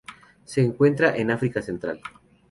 Se encuentra en África Central.